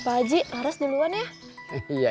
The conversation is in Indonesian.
pak aji harus duluan ya